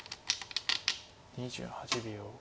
２８秒。